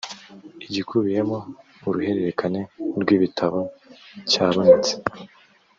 igikubiyemo uruhererekane rw’ibitabo cyabonetse